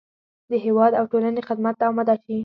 د هېواد او ټولنې خدمت ته اماده شي.